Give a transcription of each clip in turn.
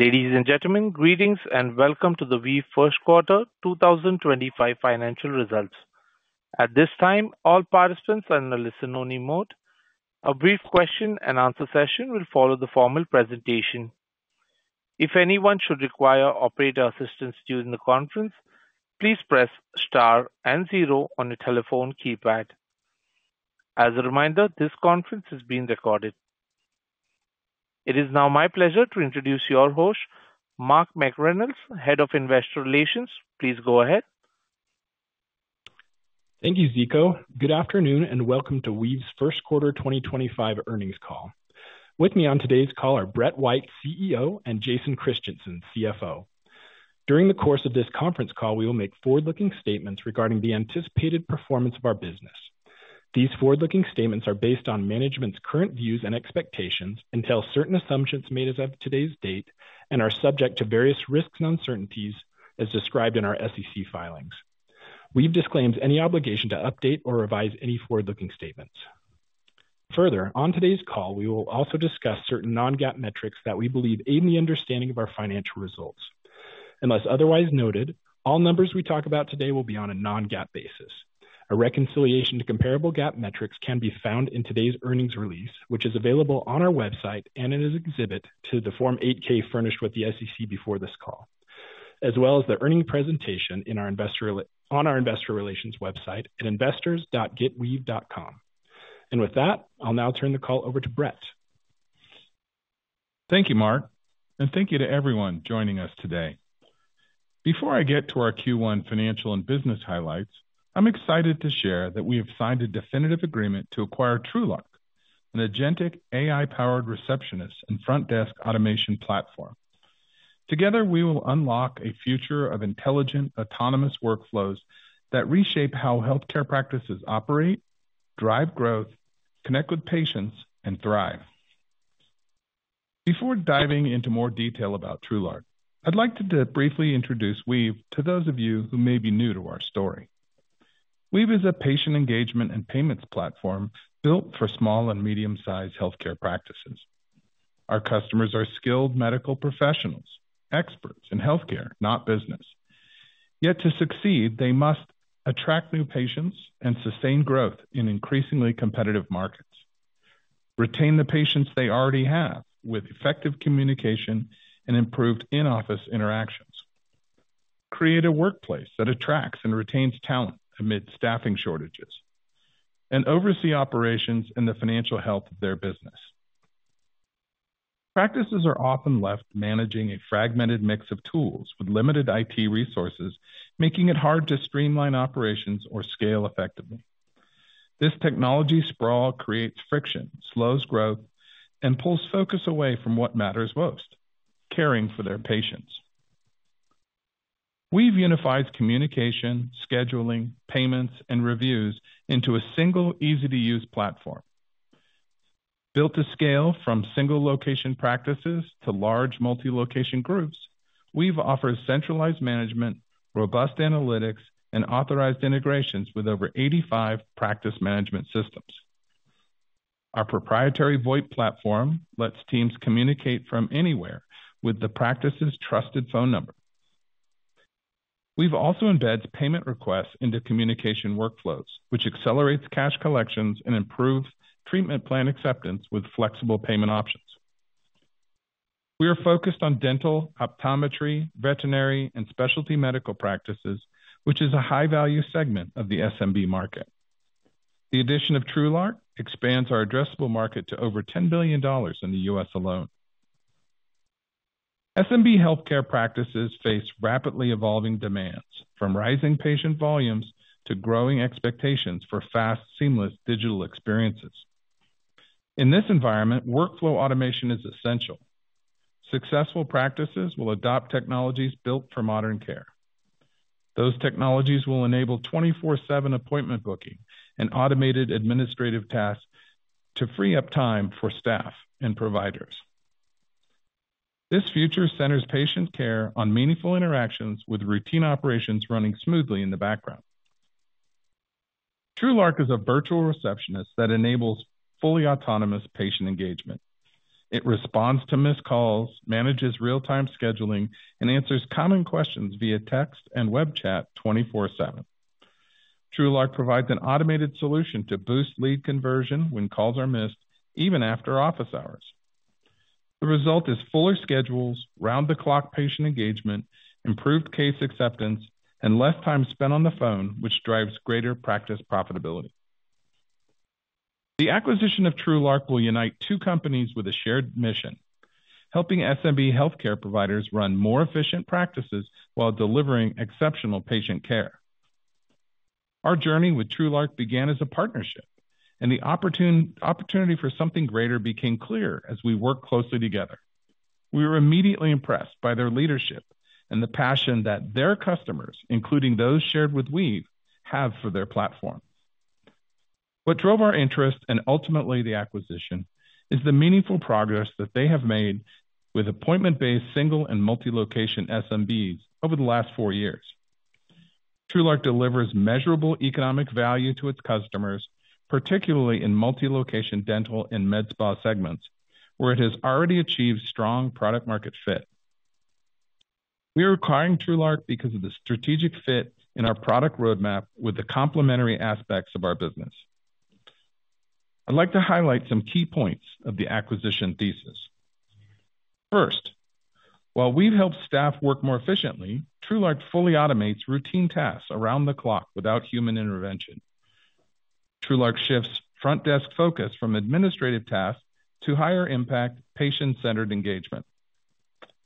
Ladies and gentlemen, greetings and welcome to the Weave Q1 2025 Financial Results. At this time, all participants are in a listen-only mode. A brief question-and-answer session will follow the formal presentation. If anyone should require operator assistance during the conference, please press star and zero on your telephone keypad. As a reminder, this conference is being recorded. It is now my pleasure to introduce your host, Mark McReynolds, Head of Investor Relations. Please go ahead. Thank you, Zeko. Good afternoon and welcome to Weave's Q1 2025 Earnings Call. With me on today's call are Brett White, CEO, and Jason Christiansen, CFO. During the course of this conference call, we will make forward-looking statements regarding the anticipated performance of our business. These forward-looking statements are based on management's current views and expectations and tell certain assumptions made as of today's date and are subject to various risks and uncertainties, as described in our SEC filings. Weave disclaims any obligation to update or revise any forward-looking statements. Further, on today's call, we will also discuss certain non-GAAP metrics that we believe aid in the understanding of our financial results. Unless otherwise noted, all numbers we talk about today will be on a non-GAAP basis. A reconciliation to comparable GAAP metrics can be found in today's earnings release, which is available on our website and in an exhibit to the Form 8-K furnished with the SEC before this call, as well as the earnings presentation on our Investor Relations website at investors.getweave.com. With that, I'll now turn the call over to Brett. Thank you, Mark, and thank you to everyone joining us today. Before I get to our Q1 financial and business highlights, I'm excited to share that we have signed a definitive agreement to acquire TrueLark, an agentic AI-powered receptionist and front desk automation platform. Together, we will unlock a future of intelligent, autonomous workflows that reshape how healthcare practices operate, drive growth, connect with patients, and thrive. Before diving into more detail about TrueLark, I'd like to briefly introduce Weave to those of you who may be new to our story. Weave is a patient engagement and payments platform built for small and medium-sized healthcare practices. Our customers are skilled medical professionals, experts in healthcare, not business. Yet to succeed, they must attract new patients and sustain growth in increasingly competitive markets, retain the patients they already have with effective communication and improved in-office interactions, create a workplace that attracts and retains talent amid staffing shortages, and oversee operations and the financial health of their business. Practices are often left managing a fragmented mix of tools with limited IT resources, making it hard to streamline operations or scale effectively. This technology sprawl creates friction, slows growth, and pulls focus away from what matters most: caring for their patients. Weave unifies communication, scheduling, payments, and reviews into a single, easy-to-use platform. Built to scale from single-location practices to large multi-location groups, Weave offers centralized management, robust analytics, and authorized integrations with over 85 practice management systems. Our proprietary VoIP platform lets teams communicate from anywhere with the practice's trusted phone number. Weave also embeds payment requests into communication workflows, which accelerates cash collections and improves treatment plan acceptance with flexible payment options. We are focused on dental, optometry, veterinary, and specialty medical practices, which is a high-value segment of the SMB market. The addition of TrueLark expands our addressable market to over $10 billion in the US alone. SMB healthcare practices face rapidly evolving demands, from rising patient volumes to growing expectations for fast, seamless digital experiences. In this environment, workflow automation is essential. Successful practices will adopt technologies built for modern care. Those technologies will enable 24/7 appointment booking and automated administrative tasks to free up time for staff and providers. This future centers patient care on meaningful interactions with routine operations running smoothly in the background. TrueLark is a virtual receptionist that enables fully autonomous patient engagement. It responds to missed calls, manages real-time scheduling, and answers common questions via text and web chat 24/7. TrueLark provides an automated solution to boost lead conversion when calls are missed, even after office hours. The result is fuller schedules, round-the-clock patient engagement, improved case acceptance, and less time spent on the phone, which drives greater practice profitability. The acquisition of TrueLark will unite two companies with a shared mission: helping SMB healthcare providers run more efficient practices while delivering exceptional patient care. Our journey with TrueLark began as a partnership, and the opportunity for something greater became clear as we worked closely together. We were immediately impressed by their leadership and the passion that their customers, including those shared with Weave, have for their platform. What drove our interest and ultimately the acquisition is the meaningful progress that they have made with appointment-based single and multi-location SMBs over the last four years. TrueLark delivers measurable economic value to its customers, particularly in multi-location dental and med spa segments, where it has already achieved strong product-market fit. We are acquiring TrueLark because of the strategic fit in our product roadmap with the complementary aspects of our business. I'd like to highlight some key points of the acquisition thesis. First, while we've helped staff work more efficiently, TrueLark fully automates routine tasks around the clock without human intervention. TrueLark shifts front desk focus from administrative tasks to higher-impact, patient-centered engagement.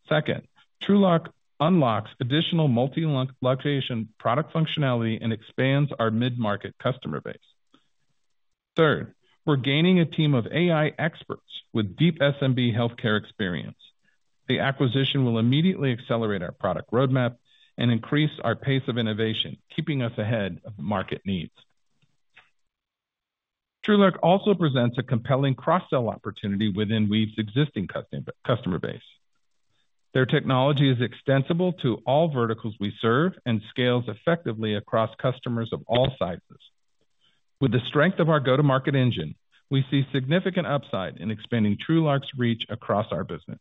Second, TrueLark unlocks additional multi-location product functionality and expands our mid-market customer base. Third, we're gaining a team of AI experts with deep SMB healthcare experience. The acquisition will immediately accelerate our product roadmap and increase our pace of innovation, keeping us ahead of market needs. TrueLark also presents a compelling cross-sell opportunity within Weave's existing customer base. Their technology is extensible to all verticals we serve and scales effectively across customers of all sizes. With the strength of our go-to-market engine, we see significant upside in expanding TrueLark's reach across our business.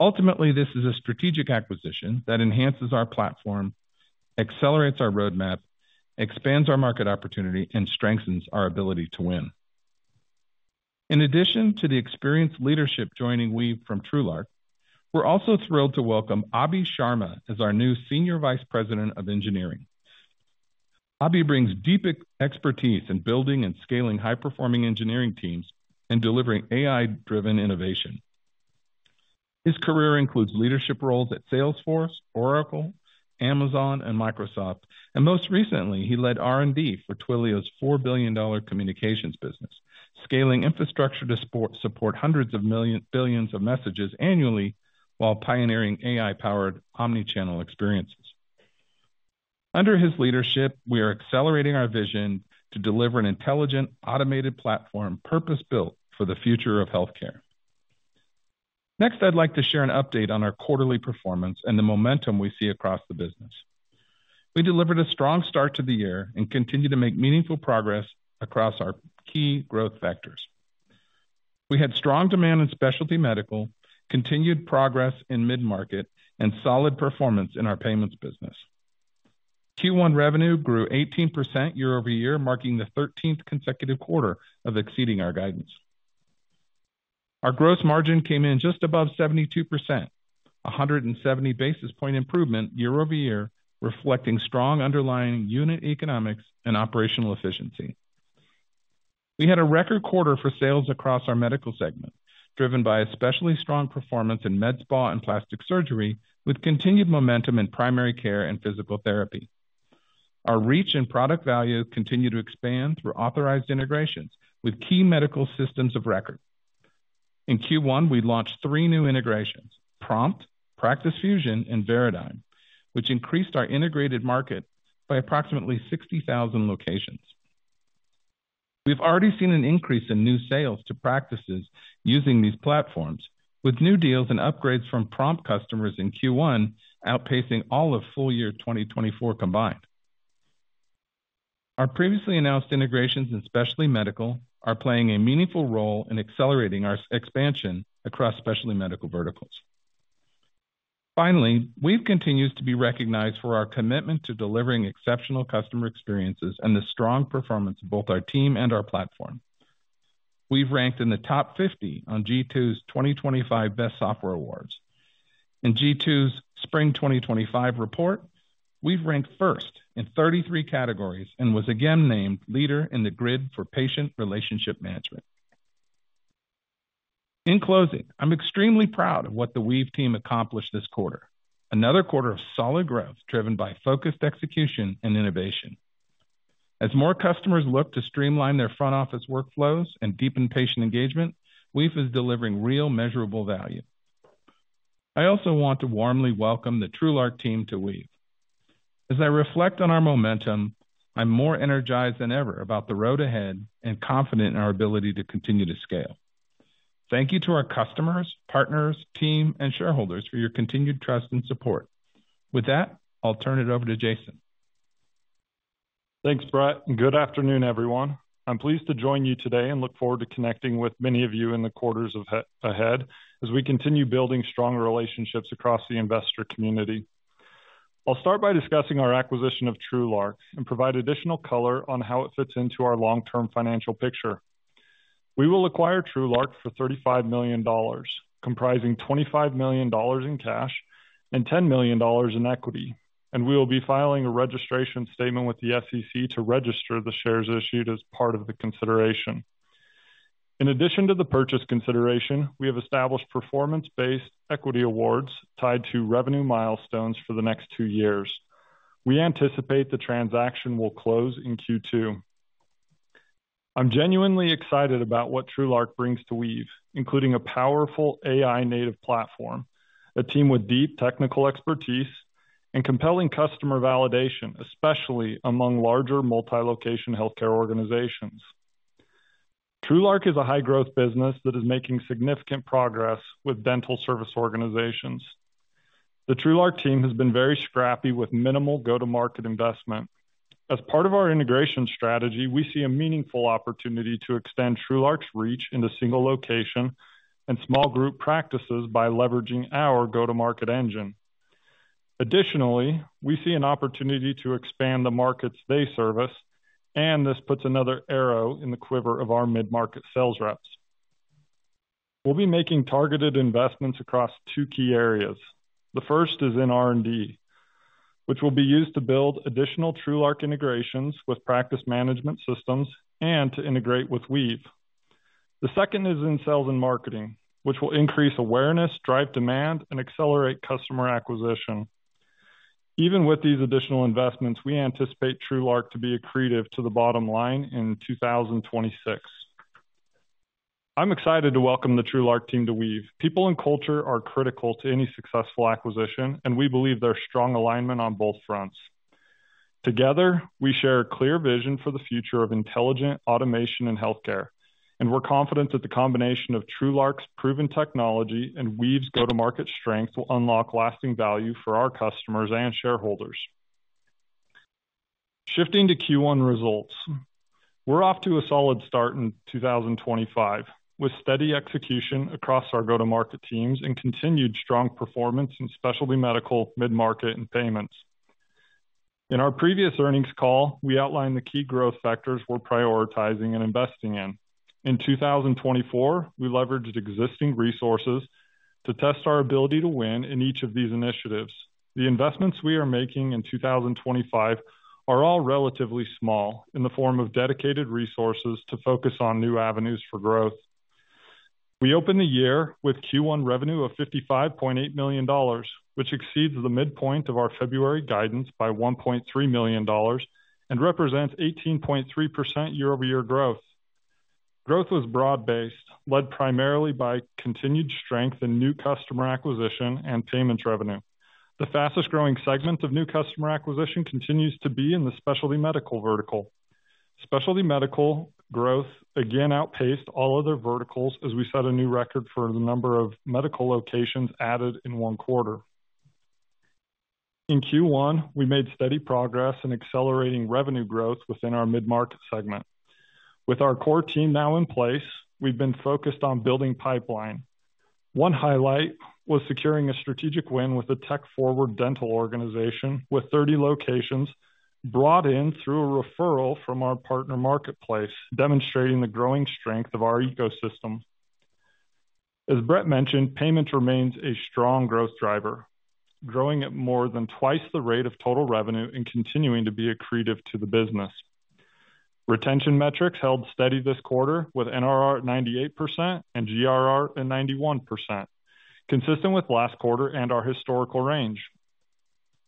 Ultimately, this is a strategic acquisition that enhances our platform, accelerates our roadmap, expands our market opportunity, and strengthens our ability to win. In addition to the experienced leadership joining Weave from TrueLark. We're also thrilled to welcome Abhi Sharma as our new Senior Vice President of Engineering. Abhi brings deep expertise in building and scaling high-performing engineering teams and delivering AI-driven innovation. His career includes leadership roles at Salesforce, Oracle, Amazon, and Microsoft, and most recently, he led R&D for Twilio's $4 billion communications business, scaling infrastructure to support hundreds of billions of messages annually while pioneering AI-powered omnichannel experiences. Under his leadership, we are accelerating our vision to deliver an intelligent, automated platform purpose-built for the future of healthcare. Next, I'd like to share an update on our quarterly performance and the momentum we see across the business. We delivered a strong start to the year and continue to make meaningful progress across our key growth factors. We had strong demand in specialty medical, continued progress in mid-market, and solid performance in our payments business. Q1 revenue grew 18% year-over-year, marking the 13th consecutive quarter of exceeding our guidance. Our gross margin came in just above 72%, a 170-basis-point improvement year-over-year, reflecting strong underlying unit economics and operational efficiency. We had a record quarter for sales across our medical segment, driven by especially strong performance in Med Spa and Plastic Surgery, with continued momentum in Primary Care and Physical Therapy. Our reach and product value continue to expand through authorized integrations with key medical systems of record. In Q1, we launched three new integrations: Prompt, Practice Fusion, and Veradigm, which increased our integrated market by approximately 60,000 locations. We've already seen an increase in new sales to practices using these platforms, with new deals and upgrades from Prompt customers in Q1 outpacing all of full year 2024 combined. Our previously announced integrations in specialty medical are playing a meaningful role in accelerating our expansion across specialty medical verticals. Finally, Weave continues to be recognized for our commitment to delivering exceptional customer experiences and the strong performance of both our team and our platform. Weave ranked in the top 50 on G2's 2025 Best Software Awards. In G2's Spring 2025 report, Weave ranked first in 33 categories and was again named leader in the grid for patient relationship management. In closing, I'm extremely proud of what the Weave team accomplished this quarter, another quarter of solid growth driven by focused execution and innovation. As more customers look to streamline their front office workflows and deepen patient engagement, Weave is delivering real measurable value. I also want to warmly welcome the TrueLark team to Weave. As I reflect on our momentum, I'm more energized than ever about the road ahead and confident in our ability to continue to scale. Thank you to our customers, partners, team, and shareholders for your continued trust and support. With that, I'll turn it over to Jason. Thanks, Brett. Good afternoon, everyone. I'm pleased to join you today and look forward to connecting with many of you in the quarters ahead as we continue building stronger relationships across the investor community. I'll start by discussing our acquisition of TrueLark and provide additional color on how it fits into our long-term financial picture. We will acquire TrueLark for $35 million, comprising $25 million in cash and $10 million in equity, and we will be filing a registration statement with the SEC to register the shares issued as part of the consideration. In addition to the purchase consideration, we have established performance-based equity awards tied to revenue milestones for the next two years. We anticipate the transaction will close in Q2. I'm genuinely excited about what TrueLark brings to Weave, including a powerful AI-native platform, a team with deep technical expertise, and compelling customer validation, especially among larger multi-location healthcare organizations. TrueLark is a high-growth business that is making significant progress with dental service organizations. The TrueLark team has been very scrappy with minimal go-to-market investment. As part of our integration strategy, we see a meaningful opportunity to extend TrueLark's reach into single location and small group practices by leveraging our go-to-market engine. Additionally, we see an opportunity to expand the markets they service, and this puts another arrow in the quiver of our mid-market sales reps. We'll be making targeted investments across two key areas. The first is in R&D, which will be used to build additional TrueLark integrations with practice management systems and to integrate with Weave. The second is in sales and marketing, which will increase awareness, drive demand, and accelerate customer acquisition. Even with these additional investments, we anticipate TrueLark to be accretive to the bottom line in 2026. I'm excited to welcome the TrueLark team to Weave. People and culture are critical to any successful acquisition, and we believe their strong alignment on both fronts. Together, we share a clear vision for the future of intelligent automation in healthcare, and we're confident that the combination of TrueLark's proven technology and Weave's go-to-market strength will unlock lasting value for our customers and shareholders. Shifting to Q1 results, we're off to a solid start in 2025 with steady execution across our go-to-market teams and continued strong performance in specialty medical, mid-market, and payments. In our previous earnings call, we outlined the key growth factors we're prioritizing and investing in. In 2024, we leveraged existing resources to test our ability to win in each of these initiatives. The investments we are making in 2025 are all relatively small in the form of dedicated resources to focus on new avenues for growth. We opened the year with Q1 revenue of $55.8 million, which exceeds the midpoint of our February guidance by $1.3 million and represents 18.3% year-over-year growth. Growth was broad-based, led primarily by continued strength in new customer acquisition and payments revenue. The fastest-growing segment of new customer acquisition continues to be in the specialty medical vertical. Specialty medical growth again outpaced all other verticals as we set a new record for the number of medical locations added in one quarter. In Q1, we made steady progress in accelerating revenue growth within our mid-market segment. With our core team now in place, we've been focused on building pipeline. One highlight was securing a strategic win with a tech-forward dental organization with 30 locations brought in through a referral from our partner marketplace, demonstrating the growing strength of our ecosystem. As Brett mentioned, payments remains a strong growth driver, growing at more than twice the rate of total revenue and continuing to be accretive to the business. Retention metrics held steady this quarter with NRR at 98% and GRR at 91%, consistent with last quarter and our historical range.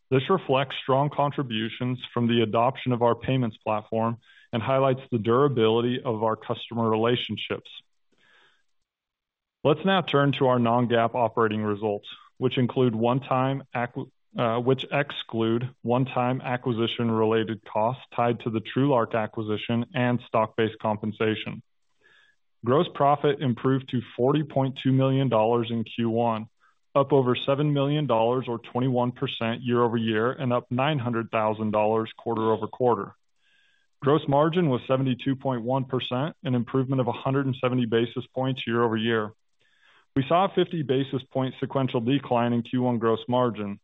This reflects strong contributions from the adoption of our payments platform and highlights the durability of our customer relationships. Let's now turn to our non-GAAP operating results, which exclude one-time acquisition-related costs tied to the TrueLark acquisition and stock-based compensation. Gross profit improved to $40.2 million in Q1, up over $7 million, or 21% year-over-year, and up $900,000 quarter over quarter. Gross margin was 72.1%, an improvement of 170 basis points year-over-year. We saw a 50 basis point sequential decline in Q1 gross margin,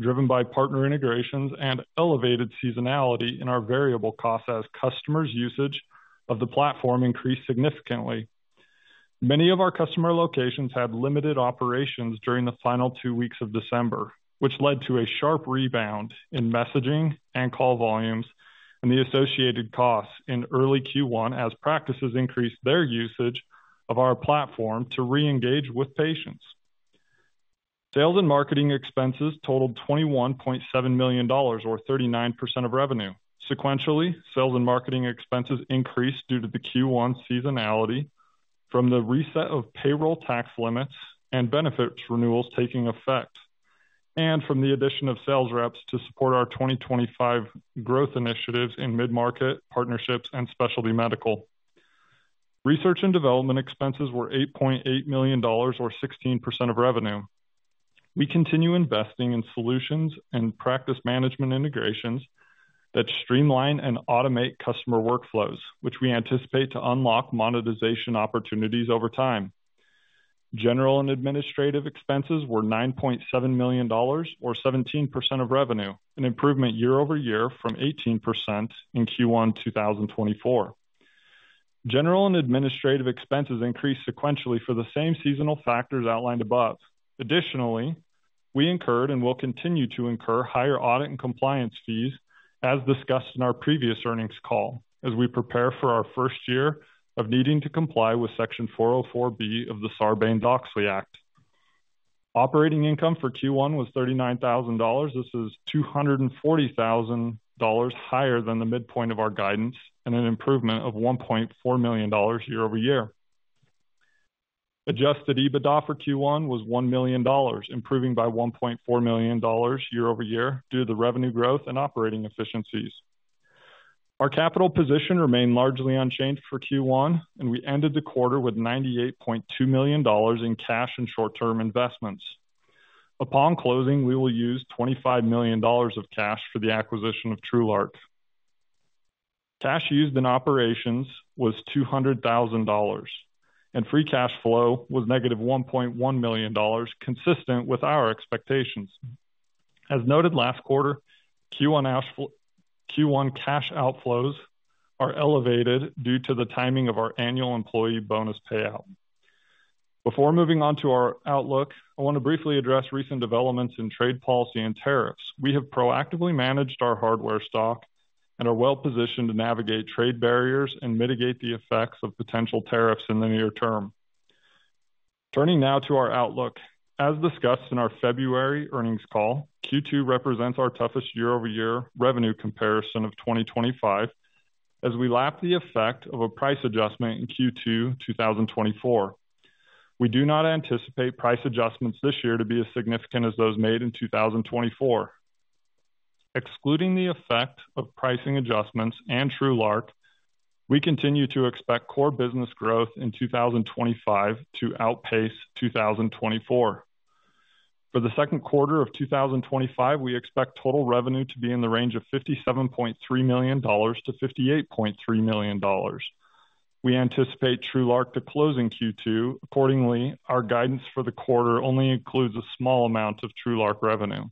driven by partner integrations and elevated seasonality in our variable costs as customers' usage of the platform increased significantly. Many of our customer locations had limited operations during the final two weeks of December, which led to a sharp rebound in messaging and call volumes and the associated costs in early Q1 as practices increased their usage of our platform to re-engage with patients. Sales and marketing expenses totaled $21.7 million, or 39% of revenue. Sequentially, sales and marketing expenses increased due to the Q1 seasonality from the reset of payroll tax limits and benefits renewals taking effect, and from the addition of sales reps to support our 2025 growth initiatives in mid-market partnerships and specialty medical. Research and development expenses were $8.8 million, or 16% of revenue. We continue investing in solutions and practice management integrations that streamline and automate customer workflows, which we anticipate to unlock monetization opportunities over time. General and administrative expenses were $9.7 million, or 17% of revenue, an improvement year-over-year from 18% in Q1 2024. General and administrative expenses increased sequentially for the same seasonal factors outlined above. Additionally, we incurred and will continue to incur higher audit and compliance fees, as discussed in our previous earnings call, as we prepare for our first year of needing to comply with Section 404(b) of the Sarbanes-Oxley Act. Operating income for Q1 was $39,000. This is $240,000 higher than the midpoint of our guidance and an improvement of $1.4 million year-over-year. Adjusted EBITDA for Q1 was $1 million, improving by $1.4 million year-over-year due to the revenue growth and operating efficiencies. Our capital position remained largely unchanged for Q1, and we ended the quarter with $98.2 million in cash and short-term investments. Upon closing, we will use $25 million of cash for the acquisition of TrueLark. Cash used in operations was $200,000, and free cash flow was negative $1.1 million, consistent with our expectations. As noted last quarter, Q1 cash outflows are elevated due to the timing of our annual employee bonus payout. Before moving on to our outlook, I want to briefly address recent developments in trade policy and tariffs. We have proactively managed our hardware stock and are well-positioned to navigate trade barriers and mitigate the effects of potential tariffs in the near term. Turning now to our outlook, as discussed in our February earnings call, Q2 represents our toughest year-over-year revenue comparison of 2025 as we lap the effect of a price adjustment in Q2 2024. We do not anticipate price adjustments this year to be as significant as those made in 2024. Excluding the effect of pricing adjustments and TrueLark, we continue to expect core business growth in 2025 to outpace 2024. For the Q2 of 2025, we expect total revenue to be in the range of $57.3 to 58.3 million. We anticipate TrueLark to close in Q2. Accordingly, our guidance for the quarter only includes a small amount of TrueLark revenue.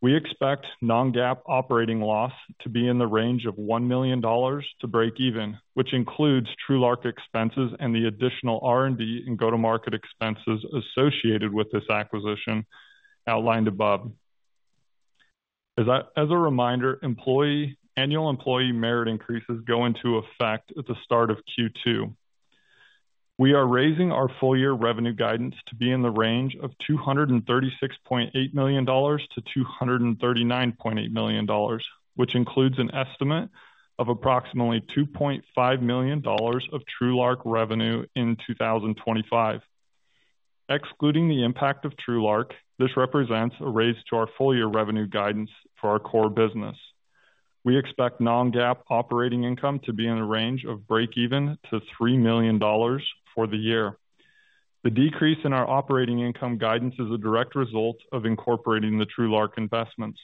We expect non-GAAP operating loss to be in the range of $1 million to break even, which includes TrueLark expenses and the additional R&D and go-to-market expenses associated with this acquisition outlined above. As a reminder, annual employee merit increases go into effect at the start of Q2. We are raising our full-year revenue guidance to be in the range of $236.8 to 239.8 million, which includes an estimate of approximately $2.5 million of TrueLark revenue in 2025. Excluding the impact of TrueLark, this represents a raise to our full-year revenue guidance for our core business. We expect non-GAAP operating income to be in the range of break even to $3 million for the year. The decrease in our operating income guidance is a direct result of incorporating the TrueLark investments.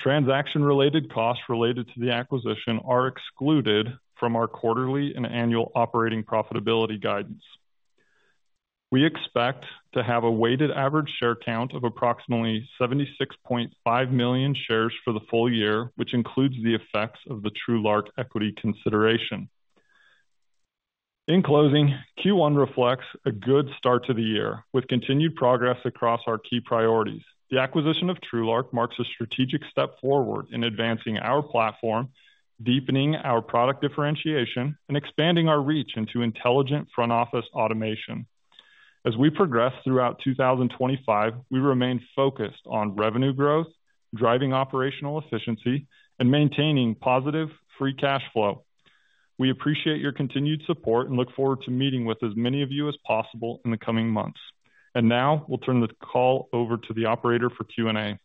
Transaction-related costs related to the acquisition are excluded from our quarterly and annual operating profitability guidance. We expect to have a weighted average share count of approximately 76.5 million shares for the full year, which includes the effects of the TrueLark equity consideration. In closing, Q1 reflects a good start to the year with continued progress across our key priorities. The acquisition of TrueLark marks a strategic step forward in advancing our platform, deepening our product differentiation, and expanding our reach into intelligent front-office automation. As we progress throughout 2025, we remain focused on revenue growth, driving operational efficiency, and maintaining positive free cash flow. We appreciate your continued support and look forward to meeting with as many of you as possible in the coming months. Now, will turn this call over to the operator for Q&A.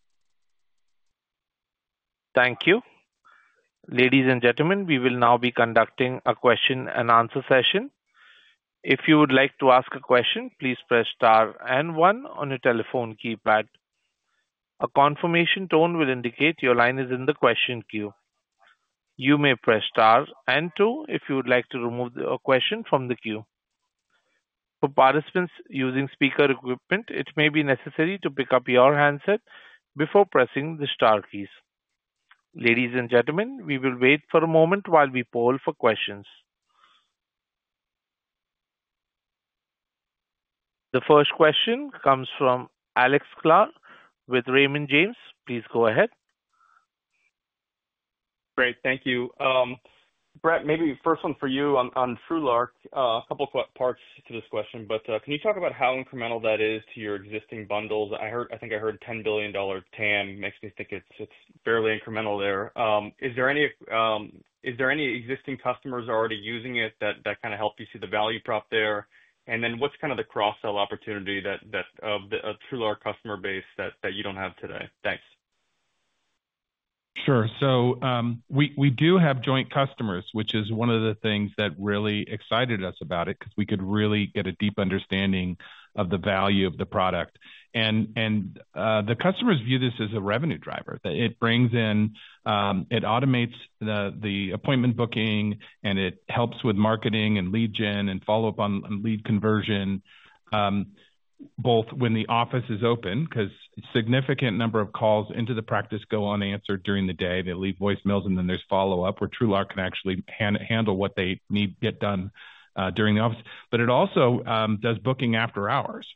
Thank you. Ladies and gentlemen, we will now be conducting a question-and-answer session. If you would like to ask a question, please press star and one on your telephone keypad. A confirmation tone will indicate your line is in the question queue. You may press star and two if you would like to remove a question from the queue. For participants using speaker equipment, it may be necessary to pick up your handset before pressing the star keys. Ladies and gentlemen, we will wait for a moment while we poll for questions. The first question comes from Alex Sklar with Raymond James. Please go ahead. Great. Thank you. Brett, maybe first one for you on TrueLark. A couple of parts to this question, but can you talk about how incremental that is to your existing bundles? I think I heard $10 billion TAM makes me think it's fairly incremental there. Is there any existing customers already using it that kind of help you see the value prop there? And then what's kind of the cross-sell opportunity of a TrueLark customer base that you don't have today? Thanks. Sure. We do have joint customers, which is one of the things that really excited us about it because we could really get a deep understanding of the value of the product. The customers view this as a revenue driver. It automates the appointment booking, and it helps with marketing and lead gen and follow-up on lead conversion, both when the office is open because a significant number of calls into the practice go unanswered during the day. They leave voicemails, and then there's follow-up where TrueLark can actually handle what they need to get done during the office. It also does booking after hours.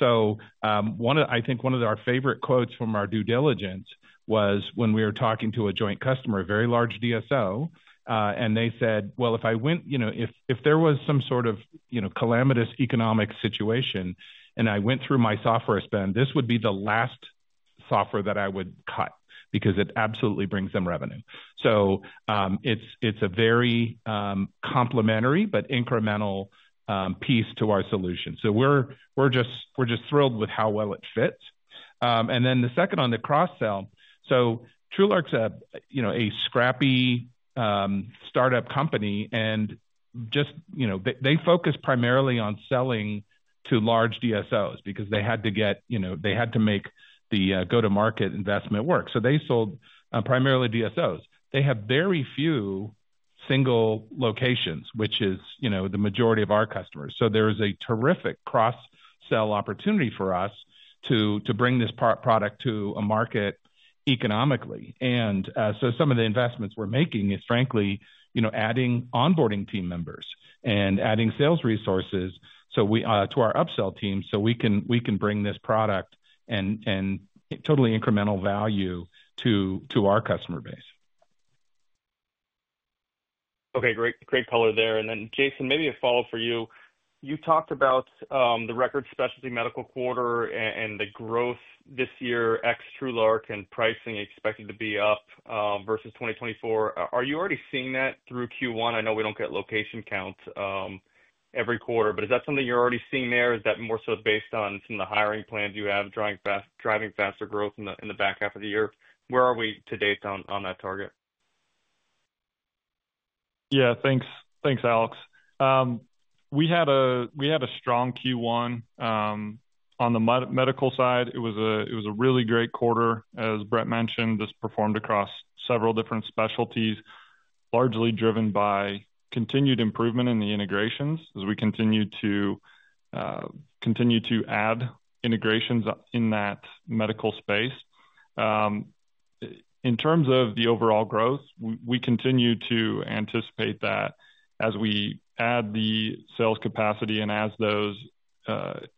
I think one of our favorite quotes from our due diligence was when we were talking to a joint customer, a very large DSO, and they said, If there was some sort of calamitous economic situation and I went through my software spend, this would be the last software that I would cut because it absolutely brings them revenue. It is a very complementary but incremental piece to our solution. We are just thrilled with how well it fits. The second on the cross-sell. TrueLark's a scrappy startup company, and they focus primarily on selling to large DSOs because they had to get they had to make the go-to-market investment work. They sold primarily DSOs. They have very few single locations, which is the majority of our customers. There is a terrific cross-sell opportunity for us to bring this product to a market economically. Some of the investments we're making is, frankly, adding onboarding team members and adding sales resources to our upsell team so we can bring this product and totally incremental value to our customer base. Okay. Great color there. Jason, maybe a follow-up for you. You talked about the record specialty medical quarter and the growth this year ex TrueLark and pricing expected to be up versus 2024. Are you already seeing that through Q1? I know we don't get location counts every quarter, but is that something you're already seeing there? Is that more so based on some of the hiring plans you have driving faster growth in the back H2? Where are we to date on that target? Thanks, Alex. We had a strong Q1. On the medical side, it was a really great quarter, as Brett mentioned. This performed across several different specialties, largely driven by continued improvement in the integrations as we continue to add integrations in that medical space. In terms of the overall growth, we continue to anticipate that as we add the sales capacity and as those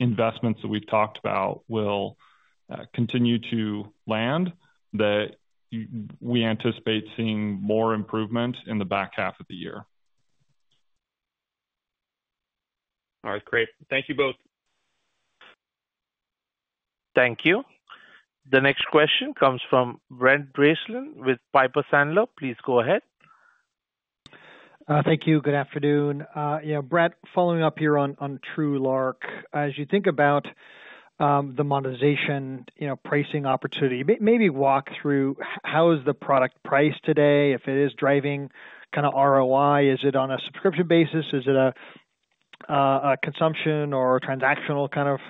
investments that we've talked about will continue to land, that we anticipate seeing more improvement in the back H2. All right. Great. Thank you both. Thank you. The next question comes from Brent Bracelin with Piper Sandler. Please go ahead. Thank you. Good afternoon. Brett, following up here on TrueLark, as you think about the monetization pricing opportunity, maybe walk through how is the product priced today? If it is driving kind of ROI, is it on a subscription basis? Is it a consumption or transactional kind of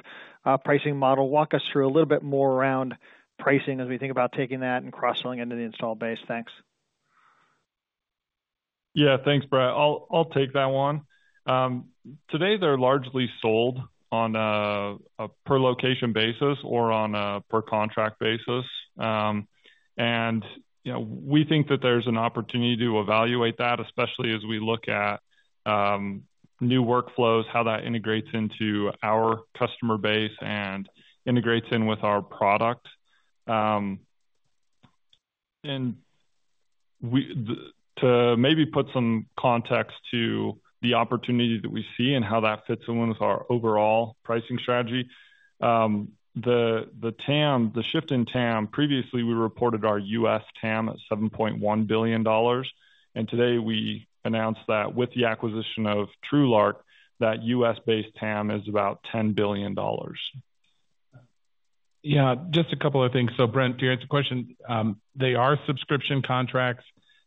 pricing model? Walk us through a little bit more around pricing as we think about taking that and cross-selling into the installed base. Thanks. Thank you Brett. I'll take that one. Today, they're largely sold on a per-location basis or on a per-contract basis. We think that there's an opportunity to evaluate that, especially as we look at new workflows, how that integrates into our customer base and integrates in with our product. To maybe put some context to the opportunity that we see and how that fits in with our overall pricing strategy, the shift in TAM, previously we reported our US TAM at $7.1 billion. Today, we announced that with the acquisition of TrueLark, that US-based TAM is about $10 billion. Yeah. Just a couple of things. Brent, to your answer to the question, they are subscription contracts.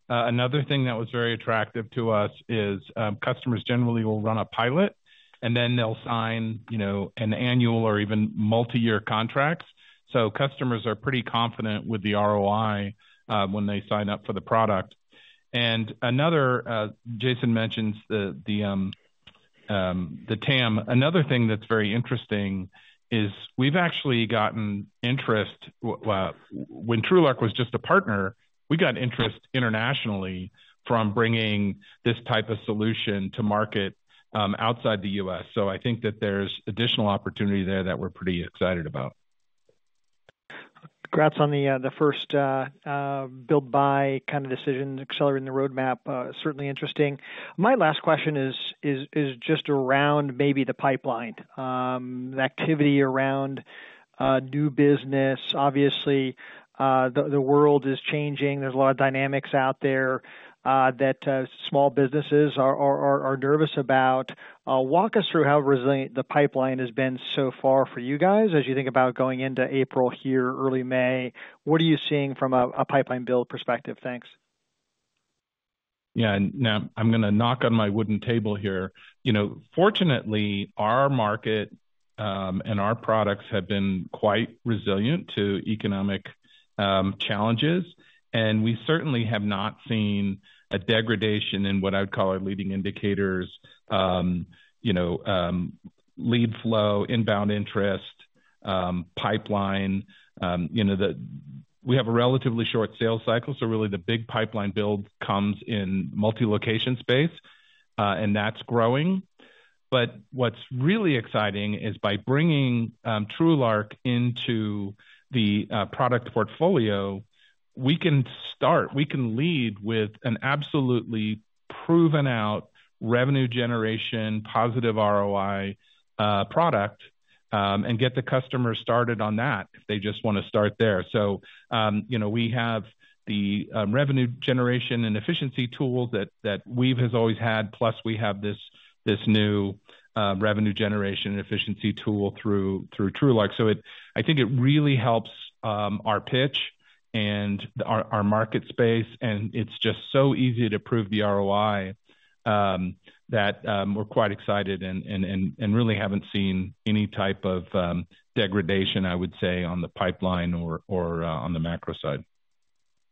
Another thing that was very attractive to us is customers generally will run a pilot, and then they'll sign an annual or even multi-year contracts. Customers are pretty confident with the ROI when they sign up for the product. Another Jason mentions the TAM. Another thing that's very interesting is we've actually gotten interest. When TrueLark was just a partner, we got interest internationally from bringing this type of solution to market outside the US I think that there's additional opportunity there that we're pretty excited about. Congrats on the first build-by kind of decision, accelerating the roadmap. Certainly interesting. My last question is just around maybe the pipeline, the activity around new business. Obviously, the world is changing. There's a lot of dynamics out there that small businesses are nervous about. Walk us through how resilient the pipeline has been so far for you guys as you think about going into April here, early May. What are you seeing from a pipeline build perspective? Thanks. Now, I'm going to knock on my wooden table here. Fortunately, our market and our products have been quite resilient to economic challenges. We certainly have not seen a degradation in what I would call our leading indicators, lead flow, inbound interest, pipeline. We have a relatively short sales cycle. Really, the big pipeline build comes in multi-location space, and that's growing. What's really exciting is by bringing TrueLark into the product portfolio, we can start, we can lead with an absolutely proven-out revenue generation, positive ROI product and get the customer started on that if they just want to start there. We have the revenue generation and efficiency tool that Weave has always had, plus we have this new revenue generation and efficiency tool through TrueLark. I think it really helps our pitch and our market space. It is just so easy to prove the ROI that we are quite excited and really have not seen any type of degradation, I would say, on the pipeline or on the macro side.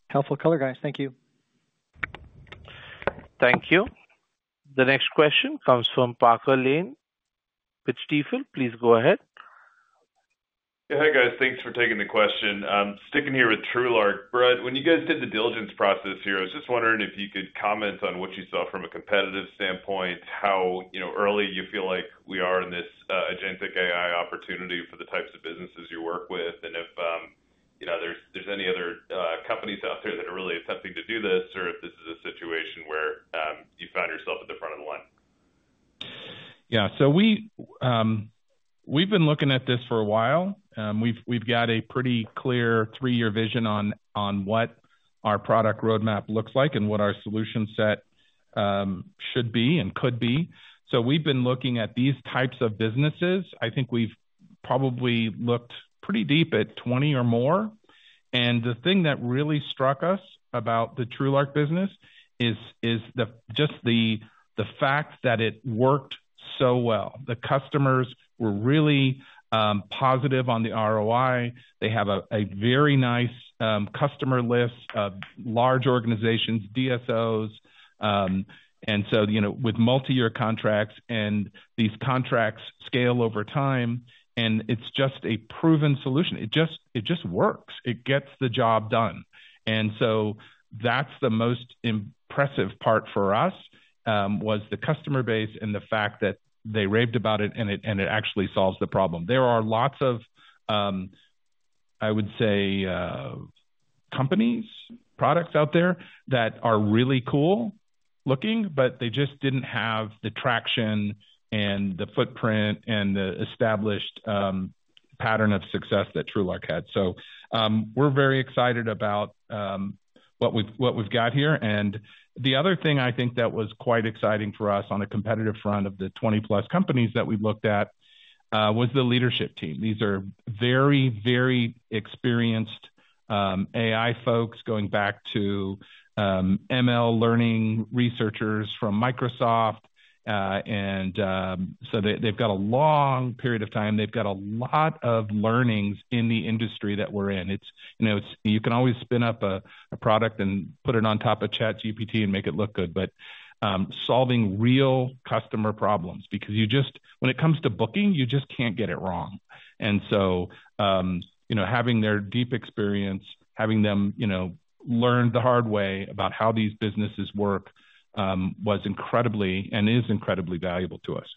Helpful color, guys. Thank you. Thank you. The next question comes from Parker Lane with Stifel. Please go ahead. Yeah. Hi, guys. Thanks for taking the question. Sticking here with TrueLark. Brett, when you guys did the diligence process here, I was just wondering if you could comment on what you saw from a competitive standpoint. How early you feel like we are in this agentic AI opportunity for the types of businesses you work with, and if there's any other companies out there that are really attempting to do this or if this is a situation where you find yourself at the front of the line. Yeah. We have been looking at this for a while. We have got a pretty clear three-year vision on what our product roadmap looks like and what our solution set should be and could be. We have been looking at these types of businesses. I think we have probably looked pretty deep at 20 or more. The thing that really struck us about the TrueLark business is just the fact that it worked so well. The customers were really positive on the ROI. They have a very nice customer list of large organizations, DSOs with multi-year contracts, and these contracts scale over time, and it's just a proven solution. It just works. It gets the job done. That is the most impressive part for us was the customer base and the fact that they raved about it, and it actually solves the problem. There are lots of, I would say, companies, products out there that are really cool looking, but they just did not have the traction and the footprint and the established pattern of success that TrueLark had. We are very excited about what we've got here. The other thing I think that was quite exciting for us on a competitive front of the 20+ companies that we've looked at was the leadership team. These are very, very experienced AI folks going back to ML learning researchers from Microsoft. They have got a long period of time. They have got a lot of learnings in the industry that we are in. You can always spin up a product and put it on top of ChatGPT and make it look good, but solving real customer problems because when it comes to booking, you just cannot get it wrong. Having their deep experience, having them learn the hard way about how these businesses work was incredibly and is incredibly valuable to us.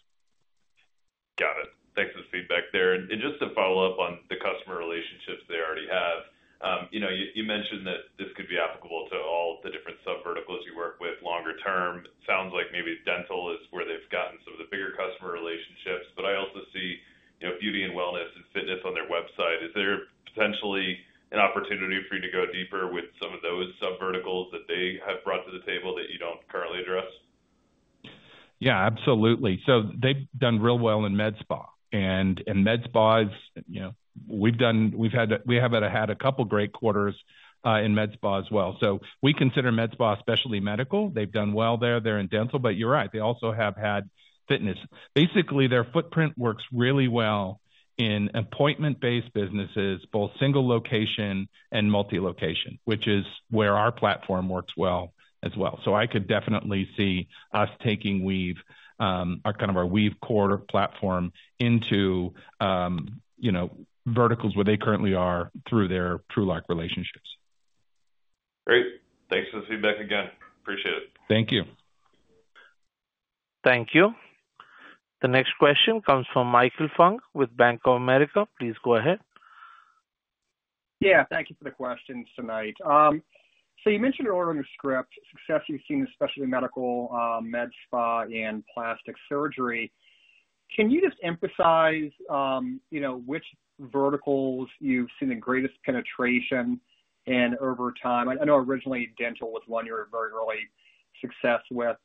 Got it. Thanks for the feedback there. Just to follow up on the customer relationships they already have, you mentioned that this could be applicable to all the different sub-verticals you work with longer term. It sounds like maybe dental is where they have gotten some of the bigger customer relationships. I also see beauty and wellness and fitness on their website. Is there potentially an opportunity for you to go deeper with some of those sub-verticals that they have brought to the table that you don't currently address? Yeah, absolutely. They've done real well in med spa. In med spas, we've had a couple of great quarters in med spa as well. We consider med spa especially medical. They've done well there. They're in dental. You're right. They also have had fitness. Basically, their footprint works really well in appointment-based businesses, both single location and multi-location, which is where our platform works well as well. I could definitely see us taking Weave, kind of our Weave core platform, into verticals where they currently are through their TrueLark relationships. Great. Thanks for the feedback again. Appreciate it. Thank you. Thank you. The next question comes from Michael Funk with Bank of America. Please go ahead. Yeah. Thank you for the questions tonight. You mentioned earlier in the script, success you've seen especially in medical, med spa, and plastic surgery. Can you just emphasize which verticals you've seen the greatest penetration in over time? I know originally dental was one you were very early success with.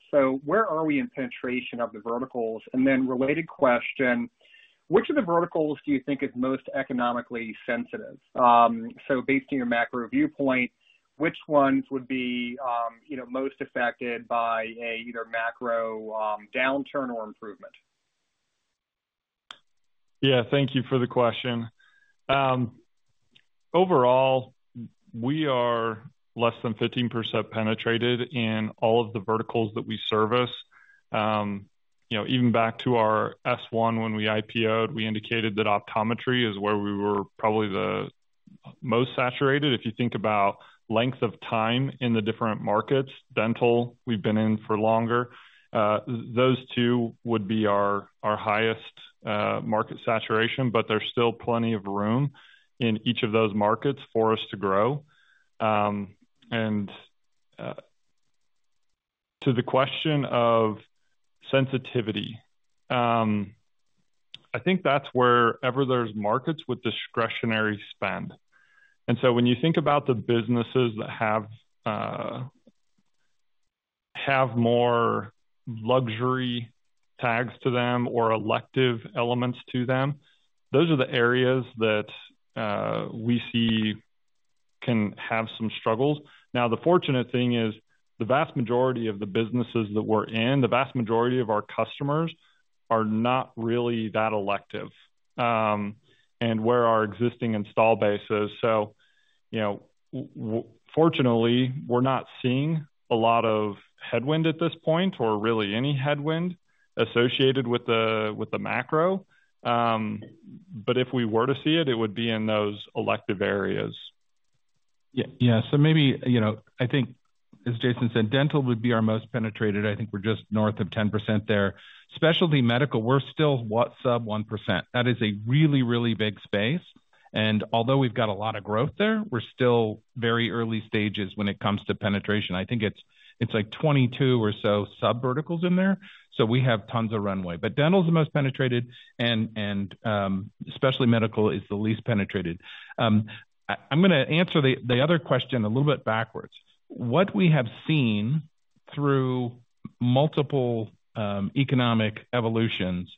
Where are we in penetration of the verticals? Related question, which of the verticals do you think is most economically sensitive? Based on your macro viewpoint, which ones would be most affected by either macro down turn or improvement? Yeah. Thank you for the question. Overall, we are less than 15% penetrated in all of the verticals that we service. Even back to our S1 when we IPOed, we indicated that optometry is where we were probably the most saturated. If you think about length of time in the different markets, dental, we've been in for longer. Those two would be our highest market saturation, but there's still plenty of room in each of those markets for us to grow. To the question of sensitivity, I think that's wherever there's markets with discretionary spend. When you think about the businesses that have more luxury tags to them or elective elements to them, those are the areas that we see can have some struggles. Now, the fortunate thing is the vast majority of the businesses that we're in, the vast majority of our customers are not really that elective and where our existing install base is. Fortunately, we're not seeing a lot of headwind at this point or really any headwind associated with the macro. If we were to see it, it would be in those elective areas. Yeah. I think, as Jason said, dental would be our most penetrated. I think we're just north of 10% there. Specialty medical, we're still what, sub 1%. That is a really, really big space. Although we've got a lot of growth there, we're still very early stages when it comes to penetration. I think it's like 22 or so sub-verticals in there. We have tons of runway. Dental is the most penetrated, and specialty medical is the least penetrated. I'm going to answer the other question a little bit backwards. What we have seen through multiple economic evolutions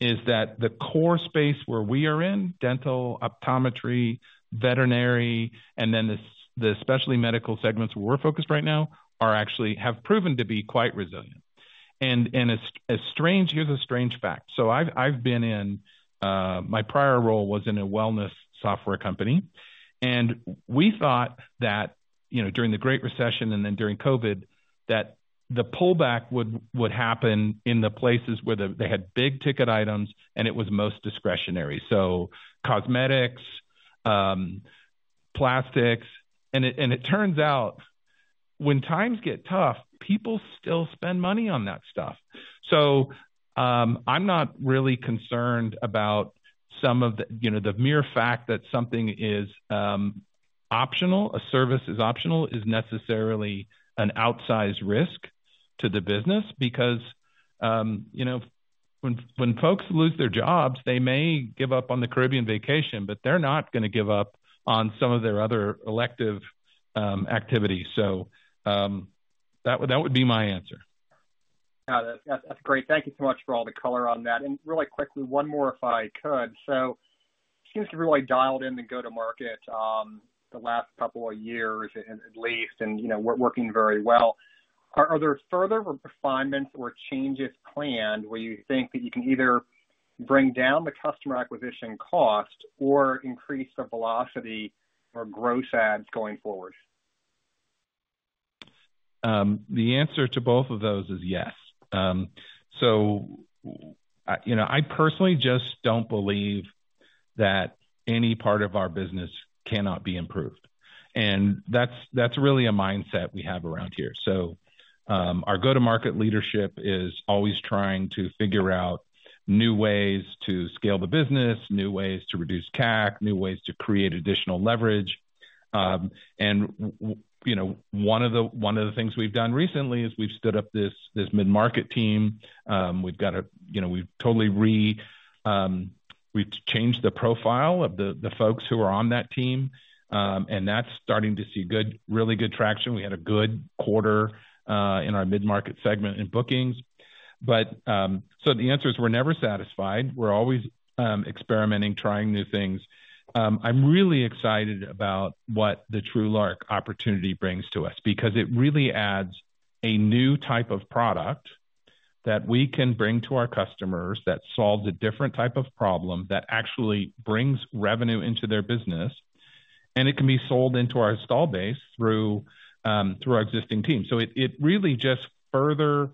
is that the core space where we are in, dental, optometry, veterinary, and then the specialty medical segments where we're focused right now, have proven to be quite resilient. Here's a strange fact. My prior role was in a wellness software company. We thought that during the Great Recession and then during COVID, the pullback would happen in the places where they had big ticket items and it was most discretionary. Cosmetics, plastics. It turns out when times get tough, people still spend money on that stuff. I'm not really concerned about some of the mere fact that something is optional, a service is optional, is necessarily an outsized risk to the business because when folks lose their jobs, they may give up on the Caribbean vacation, but they're not going to give up on some of their other elective activities. That would be my answer. Got it. That's great. Thank you so much for all the color on that. Really quickly, one more if I could. It seems you've really dialed in the go-to-market the last couple of years at least, and we're working very well. Are there further refinements or changes planned where you think that you can either bring down the customer acquisition cost or increase the velocity or gross ads going forward? The answer to both of those is yes. I personally just don't believe that any part of our business cannot be improved. That's really a mindset we have around here. Our go-to-market leadership is always trying to figure out new ways to scale the business, new ways to reduce CAC, new ways to create additional leverage. One of the things we've done recently is we've stood up this mid-market team. We've totally changed the profile of the folks who are on that team, and that's starting to see really good traction. We had a good quarter in our mid-market segment in bookings. The answer is we're never satisfied. We're always experimenting, trying new things. I'm really excited about what the TrueLark opportunity brings to us because it really adds a new type of product that we can bring to our customers that solves a different type of problem that actually brings revenue into their business, and it can be sold into our install base through our existing team. It really just further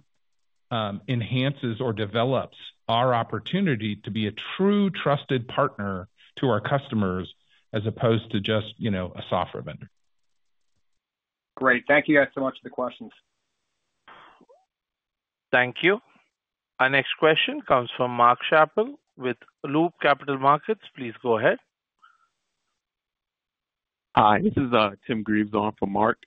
enhances or develops our opportunity to be a true, trusted partner to our customers as opposed to just a software vendor. Great. Thank you guys so much for the questions. Thank you. Our next question comes from Mark Schappel with Loop Capital Markets. Please go ahead. Hi. This is Tim Greaves on from Mark.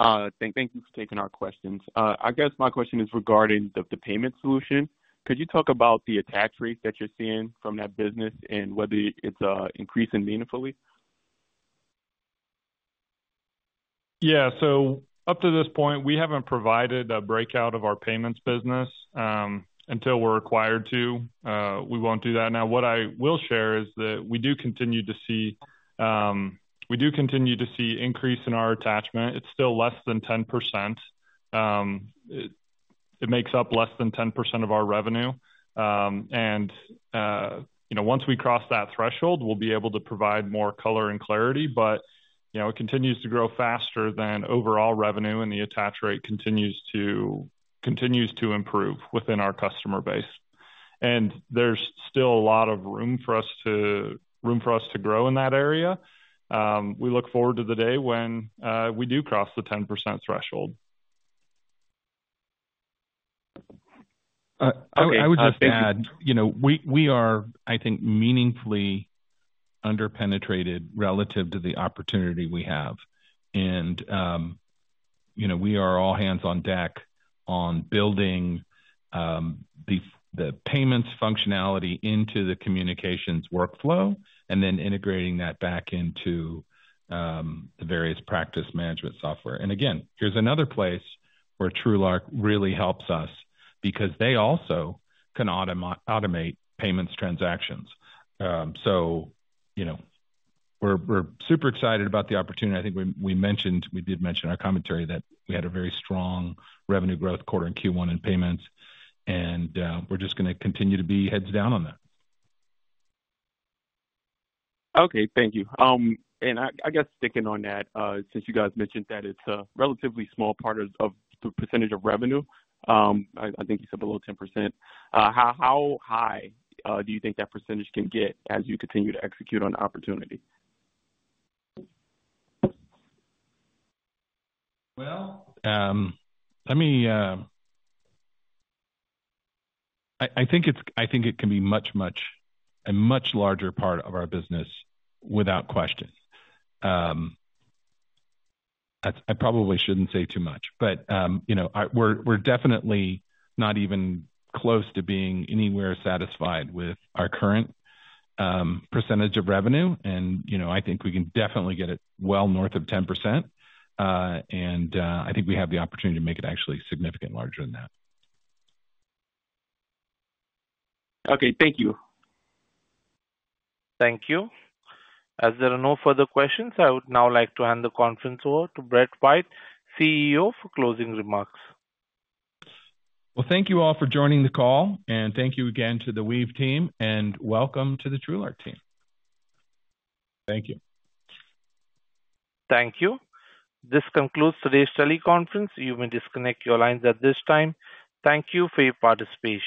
Thank you for taking our questions. I guess my question is regarding the payment solution. Could you talk about the attach rates that you're seeing from that business and whether it's increasing meaningfully? Yeah. Up to this point, we haven't provided a breakout of our payments business until we're required to. We won't do that now. What I will share is that we do continue to see an increase in our attachment. It's still less than 10%. It makes up less than 10% of our revenue. Once we cross that threshold, we'll be able to provide more color and clarity. It continues to grow faster than overall revenue, and the attach rate continues to improve within our customer base. There's still a lot of room for us to grow in that area. We look forward to the day when we do cross the 10% threshold. I would just add we are, I think, meaningfully underpenetrated relative to the opportunity we have. We are all hands on deck on building the payments functionality into the communications workflow and then integrating that back into the various practice management software. Again, here's another place where TrueLark really helps us because they also can automate payments transactions. We are super excited about the opportunity. I think we did mention in our commentary that we had a very strong revenue growth quarter in Q1 in payments. We are just going to continue to be heads down on that. Okay. Thank you. I guess sticking on that, since you guys mentioned that it's a relatively small part of the percentage of revenue, I think you said below 10%, how high do you think that percentage can get as you continue to execute on the opportunity? I think it can be a much larger part of our business without question. I probably shouldn't say too much. We are definitely not even close to being anywhere satisfied with our current percentage of revenue. I think we can definitely get it well north of 10%. I think we have the opportunity to make it actually significantly larger than that. Thank you. Thank you. As there are no further questions, I would now like to hand the conference over to Brett White, CEO, for closing remarks. Thank you all for joining the call. Thank you again to the Weave team. Welcome to the TrueLark team. Thank you. Thank you. This concludes today's teleconference. You may disconnect your lines at this time. Thank you for your participation.